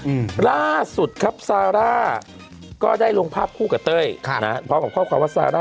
เออล่าสุดครับก็ได้ลงภาพผู้กับเต้ยค่ะนะพร้อมความความว่า